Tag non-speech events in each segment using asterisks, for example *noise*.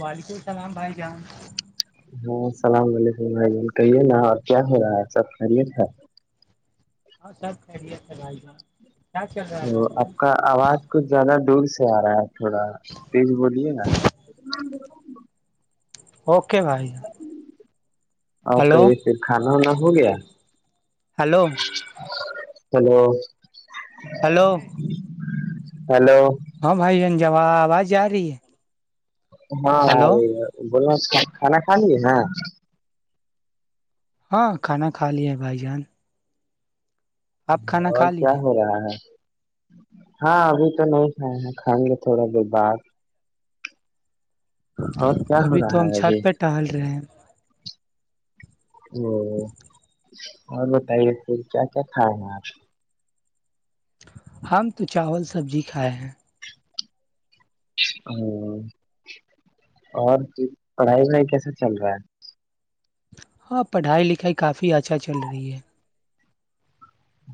وعلیکم السلام بھائی جان ہاں السلام علیکم بھائی جن کہیے نا اور کیا ہو رہا ہے سب خیریت ہے ہاں سب خریت تھا بھائی گ آپ کا آواز کچھ زیادہ دور سے آ رہا ہے تھوڑا تیز بولیے نا ا *inaudible* اور ہلو کہے پھر کھانا وانا ہو گیا ہلو ہلو ہلو ہلو ہاں بھائی جن جواب آاز جا رہی ہے ہلو ہاںرے بولنا کھانا کھا لی ہاں ہاں کھانا کھا لی ہے بھائی جان آپ کھانا اور کھا کیا لیے ہو رہا ہے ہاں ابھی تو نہیں کھائے ہیں کھائیں گے تھوڑا بہت بار ہو ابھی تو رہا ہم ہے چھت ابھی پہ ٹہل رہے ہیں ہ *inaudible* اور بتائیے پھر کیا کیا کھائے ہیں آپ ہم تو چاول سبزی کھائے ہیں ہ اور پڑھائی وڑھائی کیسا چل رہا ہے ہاں پڑھائی لکھائی کافی اچھا چل رہی ہے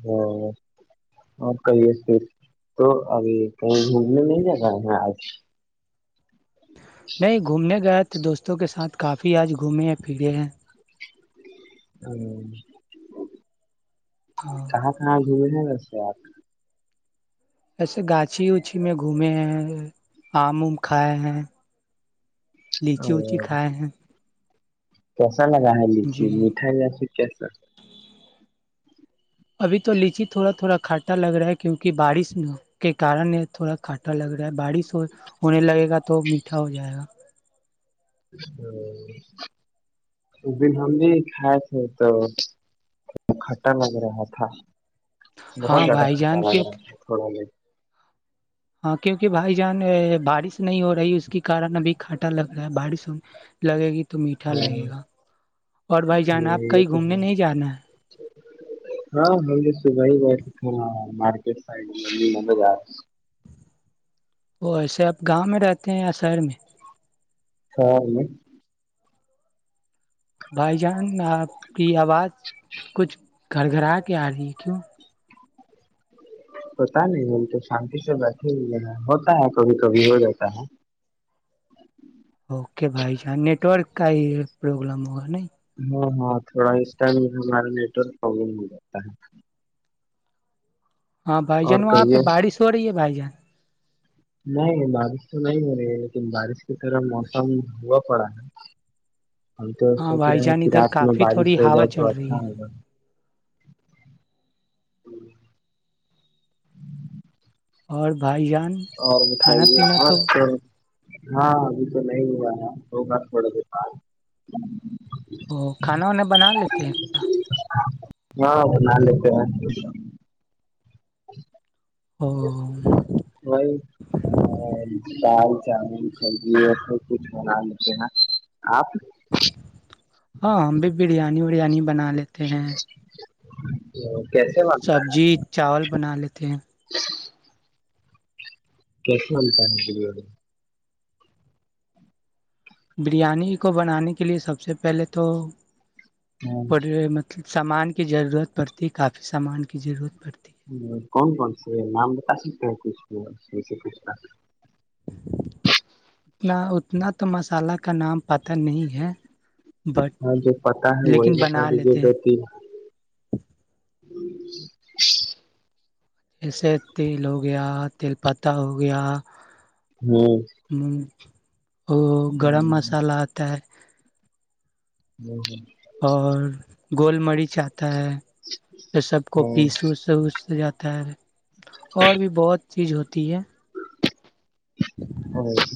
ہ اور کہے پھر تو ابھی کہیں گھومنے نہیں جا رہا ہیں آج نہیں گھومنے گیا تھا دوستوں کے ساتھ کافی آج گھومے ہیں پھرے ہیں ہاں *unintelligible* ہاں کاہپ نہ جوئے تھ بس بات ایسے گاچھی ووچھی میں گھومے ہیں آم ام کھائے ہیں لیچی اوچی اور کھائے ہیں کیسا لگا ہے لیچی جی میٹھائی ل کیسا اب تو لیچی تھوڑا تھوڑا کھاٹا لگ رہا ہے کیونکہ بارش کے کن تھوڑا کھاٹا لگ رہا ہے بارش ہو ہونے لگے گا تو میٹھا ہو جائے گا اس دن ہم نہیں کھائے تھے تو کھٹا لگ رہا تھا بہت ہاں زیادہ بھائی کھٹا جان ل کی رہا تھوڑا بھی ہاں کیونکہ بھائی جان بارش نہیں ہو رہی اس کے کارن ابھی کھٹا لگ رہا ہے بارش لگے گی تو میٹھا ہاں لگے گا اور بھائی جان ہ آپ یہ کہیں تو گھومنے نہیں جانا ہے ہاں ہم تو صبح ہی گئے تھاک ف مب ج وہ ایسے آپ گاؤں میں رہتے ہیں شہر میں سھا میں بھائی جان آپ کی آواز کچھ گھر گھرا کے آ رہی کیوں پتا نہیں ہم تو شانتی سے بیٹھے ہوئے ہیں ہوتا ہے کبھی کبھی ہو جاتا ہے اوکے بھائی جان نیٹورک کا ہی پربلم ہوگا نہیں تو ا ہو جاتتا ہے ہاں بھائی جان اور وہاں پہ کہیے بارش ہو رہی ہے بھائی جان نہیں بارش تو نہیں ہو رہی ہے لیکن بارش کے کن موسم ہوا پڑا ہے ہم تو ہاں سوچ بھائی رہے ہیں جان کہ ادھر رات میں کافی بارش تھوڑی ہو ہوا جائے چل تو رہی اچھا ہے ہوگا ج *unintelligible* اور بھائی جب اور بتائیے اور تو ہاں ابھی تو نہیں ہوا توگ تھڑا د پال ا کھانا وانا بنا لیتے ہیں ہاں نانےتے او ج *unintelligible* نہیں *unintelligible* چاامن سلدی اور سب کچھ بنا لیتے نا آپ ہاں ہم بھی بریانی وریانی بنا لیتے ہیں ج *unintelligible* سبزی چاول بنا لیتے ہیں کیسل *unintelligible* *inaudible* بریانی کو بنانے کے لئے سب سے پہلے تو پڑ رہے مطلب سامان کی ضرورت پڑتی کافی سامان کی ضرورت پڑتی ہے کون کون سے نام بتا سکتے ہیں کی سے کنا اتنا اتنا تو مسالہ کا نام پت نہیں ہے بٹ ہاں جو پتا ہے وہی لیکن بتا بنا دیجیے لیتے ہیں ہ *unintelligible* جیسے تیل ہو گیا تیل پتا ہو گیا ہوں ہوں *inaudible* ا گرم مسالحہ آتا ہے ہ ہ *unintelligible* اور گول می چ آ *unintelligible* ہے تو سب کو پیس کیسا وس اس سے جاتا ت *unintelligible* اور بھی بہت چیز ہو *unintelligible*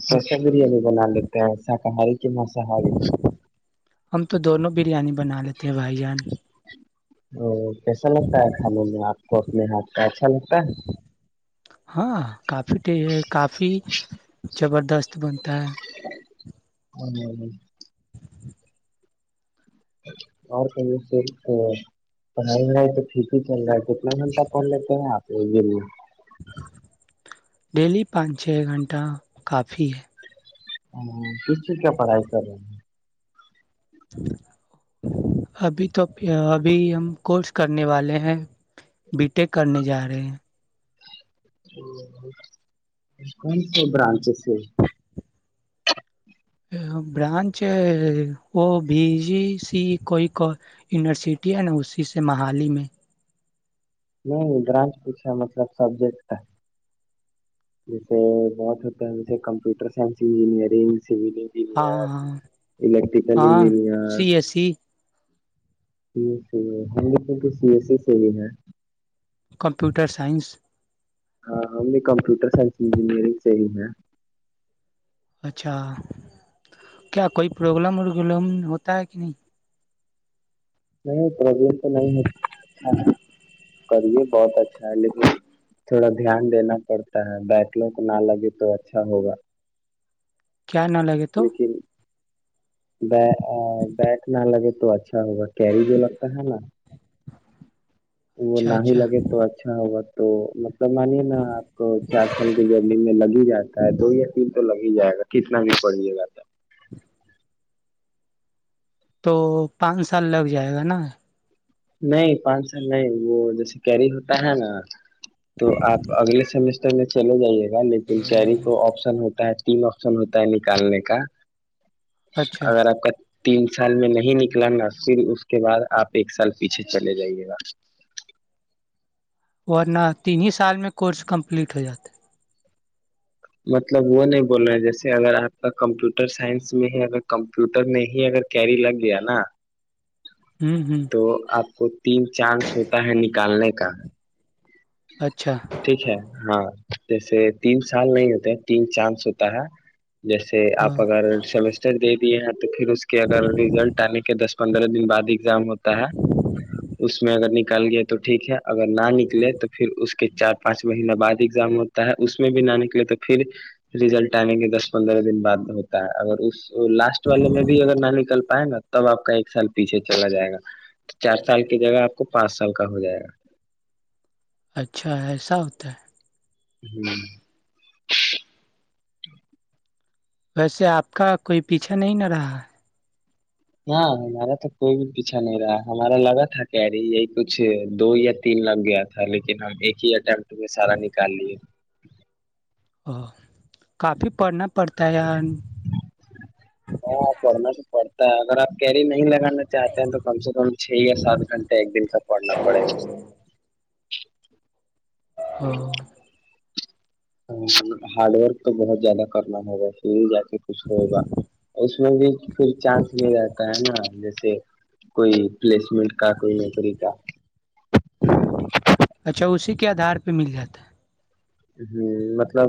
اور اسر بریانی بنا لیتے ہیں شاکاہاری کی مساحی *unintelligible* ہم تو دونوں بریانی بنا لیتے ہیں بھائی جان ہ *unintelligible* کیسا لگتا ہے کھانے میں آپ کو اپنے ہاتھ کا اچھا لگتا ہے ہاں کافی دست بنتا ہے ہ *unintelligible* اور کہ صرف پہل رہا ہے تو پھر بھی چل رہا ہے کتنے منٹر فن ل تو ہیں آپ ج ج *unintelligible* ڈیلی پانچ چھ گھنٹہ کافی ہے ہاں کس چیز کیا پڑھائی کر رہے ہیں ابھی تو ابھی ہم کورس کرنے والے ہیں بی ٹیک کرنے جا رہے ہیں کون سی برانچ سے برانچ ہے وہ بی جی سی کوئی یونیورسٹی ہے نا اسی سے محالی میں نہیں برانچ پوچھا مطلب سبجیکٹ ہے جیسے بہت ہوتا ہے جیسے computer science engineering civil engineer ہاں ہاں الیکٹریکل ہاں engineer C S C C S C ہے ہم لوگ بی سی ایس سی سے ہی ہے کمپیوٹر سائنس ہاں ہم بھی کمپیوٹر سائس انجینئرنگ سے ہی ہیں اچھا کیا کوئی پرابلم اولم ہوتا ہے کیا نہیں پرابلم تو نہیں ہو اچھا کرے بہت اچھا ہے لیکن تھوڑا دھیان دینا پڑتا ہے بیڈ لک نہ لگے تو اچھا ہوگا کیا نہ لگے تو لیکن بیٹ نہ لگے تو اچھا ہوگا کیری جو لگتا ہے نا وہ اچھا نہ ہی اچھا لگے تو اچھا ہوگا تو مط تو مانیے نا آپ کو چار سال کی جرنی میں لگ ہی جاتا گائے دو یا تین تو لگ ہی جائے گا کتنا بھی پڑھیے گا تو *inaudible* تو پانچ سال لگ جائے گا نا نہیں پانچ سال نہیں وہ جیسے کیری ہوتا ہے نا تو آپ اگلے سمیس کرنے چلے جائیے لیکن شہری کو آپشن ہوتا ہے تین آپشن ہوتا ہے نکالنے کا اچھا اگر آپ کا تین سال میں نہیں نکلا نا پھر اس کے بعد آپ ایک سال پیچھے چلے جائیے گا ورنہ تین ہی س سال میں کورس کمپلیٹ ہو جاتا ہے مطلب وہ نہیں بول رہے ہیں جیسے اگر آپ کا کمپیوٹر سائنس میں ہے اگر کمپیوٹر میں ہی اگر کیری لگ گیا نا ہوں ہوں تو آپ کو تین چانس ہوتا ہے نکالنے کا اچھا ٹھیک ہے ہاں جیسے تین سال نہیں ہوتے ہیں تین چانس ہوتا ہے جیسے آپ اگر سیمسٹر دیک *unintelligible* *unintelligible* دس پندرہ دن بعد ہی ایزام ہوتا ہے اس میں اگر کال گئے تو ٹھیک ہے اگر نہ نکلے تو پھر اس کے چار پانچ مہینہ بعد ایگزام ہوتا ہے اس میں بھی لانے کے لیے تو پھر ریزلٹ آنے کے دس پندرہ دن بعد ہوتا ہے اگر اس تو لاسٹ والے میں بھی اگر ن نکل پ نا تب آپ کا ایک سال پیچھے چلا جائے گا چار سال کی جگہ آپ کو پانچ سال کا ہو جائے گا اچھا ایسا ہوتا ہے ہوں ویسے آپ کا کوئی پیچھا نہیں نہ رہا ہاں ہمارا تو کوئی بھی پیچھا نہیں رہا ہمارا لگا تھا کہری یہی کچھ دو یا تین لگ گیا تھا لیکن ہم ایک ہی اٹمٹ میں سارا نکال لے کافی پڑھنا پڑتا ہے ی ہاں پڑھنا تو پڑتا اگر آپ کیری نہیں لگان نا چاہتے ہیں تو کم سے کم چھ یا سات گھنٹے ایک دن کا پڑھنا پڑے گا ہ ہ ہارڈ ورک تو بہت زیادہ کرنا ہوگا پ ہی جات کچھ ہوگا اس میں بھی پھر چانس لے رہاتتا ہے نا جیسے کوئی پلیسمنٹ کا کوئی نوکری کا اچھا اسی کے آدھار پہ مل جاتا ہے ہ مطلب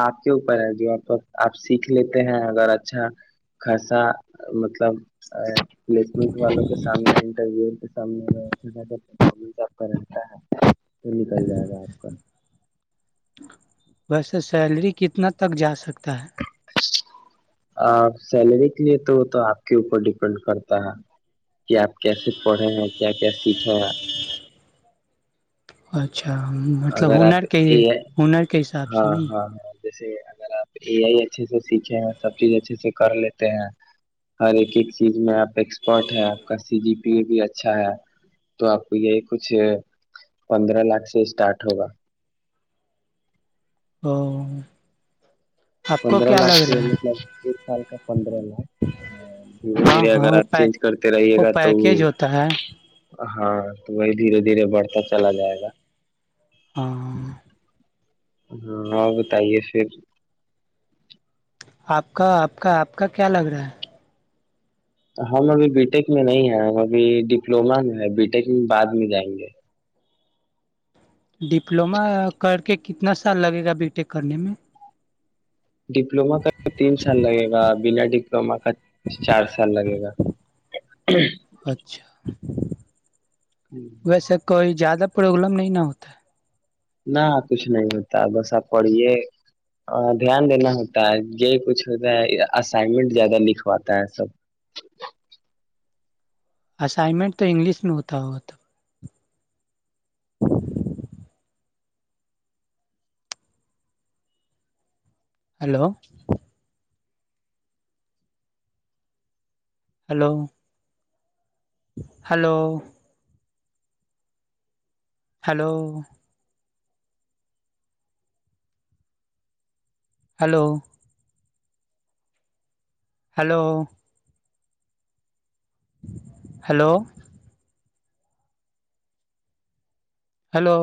آپ کے اوپر ہے جو آپ سیکھ لیتے ہیں اگر اچھا خاصا مطلب پلیسمنٹ والوں کے سامنے انٹرویو سامنے سب کا رہتا ہے تو نکل جائے گا آپ کا ویسے سیلری کتنا تک جا سکتا ہے آ سیلری کے لیے تو تو آپ کے اوپر ڈیپینڈ کرتا ہے کہ آپ کیسے پڑھے ہیں کیا کیا سیکھے ہیں اچھا اچھا مطلب اگر ہنر آپ کے اے آئی ہنر کے حساب ہاں سے نہیں ہاں ہاں جیسے اگر آپ اے آئی اچھے سے سیکھے ہیں سب چیز اچھے سے کر لیتے ہیں ہر ایک ایک چیز میں آپ ایکسپرٹ ہے آپ کا سی جی پی بھی اچھا ہے تو آپ کو یہ کچھ پندرہ لاکھ سے اسٹارٹ ہوگا ہو پندرہ لاک سے مطلب ایک سال کا پندرہ لاکھ دھیرے ہاں دھیرے ہاں اگر وہ آپ پے چینج کرتے رہیے گا تو وہ پیکیج ہوتا ہے ہاں تو وہی دھیرے دھیرے بڑھتا چلا جائے گا ہاں ہاں اور بتائیے پھر آپ کا آپ کا آپ کا کیا لگ رہا ہے ہم ابھی بی ٹیک میں نہیں ہیں ہم ابھی ڈپلوما میں ہے بی ٹیک میں بعد میں جائیں گے ڈپلوما کر کے کتنا سال لگے گا بی ٹیک کرنے میں ڈپلوما کا تین سال لگے گا بنا ڈپلوما کا چار سال لگے گا ہ اچھا ویسے کوئی زیادہ پرابلم نہیں ن ہوتا نہ کچھ نہیں ہوتا بس آپ پڑھیے دھیان دینا ہوتا ہے یہ کچھ ہوتا ہے اسائنمنٹ زیادہ لکھواتا ہے سب اسائنمنٹ تو انگلش میں ہوتا ہوا تب hello hello hello hello hello hello hello hello